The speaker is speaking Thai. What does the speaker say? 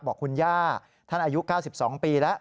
บอกคุณย่าท่านอายุ๙๒ปีแล้ว